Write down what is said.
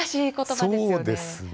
そうですね。